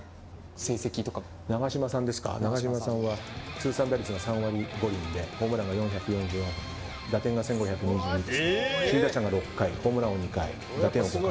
通算打率が３割５厘でホームランが４４４本打点が１５２２首位打者が６回ホームランも２回打点王も２回。